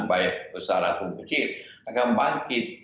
baik pesara atau kecil akan bangkit